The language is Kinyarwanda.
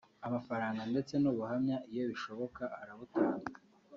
amafaranga ndetse n’ubuhamya iyo bishoboka arabutanga